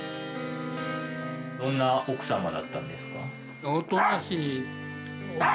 どんな奥様だったんですか？